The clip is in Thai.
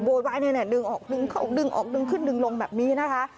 โบราณนี้เนี่ยดึงออกดึงเข้าดึงออกดึงขึ้นดึงลงแบบนี้นะคะ